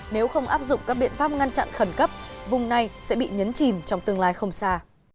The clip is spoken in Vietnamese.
nếu không áp dụng các biện pháp ngăn chặn khẩn cấp vùng này sẽ bị nhấn chìm trong tương lai không xa